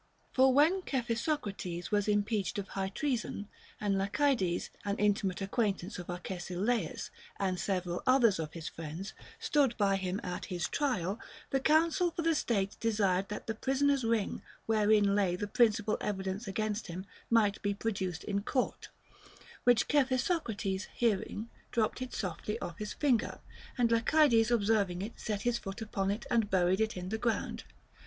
For when Cephisocrates was impeached of high treason, and Lacy des, an intimate acquaintance of Arcesilaus, with seveial others of his friends, stood by him at his trial, the counsel for the state desired that the prisoner's ring, wherein lay the principal evidence against him, might be produced in court ; which Cephisocrates hearing dropped it softly off his finger, and Lacydes observing it set his foot upon it and buried it in the ground.